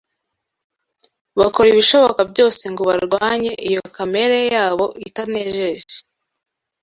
bakora ibishoboka byose ngo barwanye iyo kamere yabo itanejeje